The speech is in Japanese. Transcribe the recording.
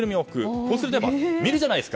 こうすると見るじゃないですか。